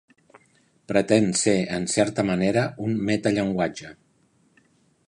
Pretén ser en certa manera un metallenguatge.